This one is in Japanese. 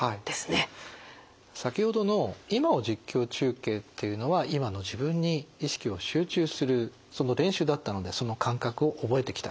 先ほどの「今を実況中継」っていうのは今の自分に意識を集中するその練習だったのでその感覚を覚えてきたわけです。